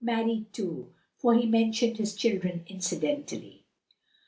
Married too, for he mentioned his children incidentally."